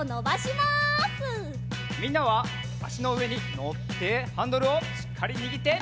みんなはあしのうえにのってハンドルをしっかりにぎって。